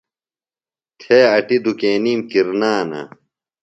تھے اٹیۡ دُکینِیم کرنانہ۔